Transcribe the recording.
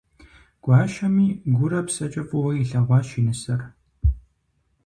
Гуащэми - гурэ псэкӀэ фӀыуэ илъэгъуащ и нысэр.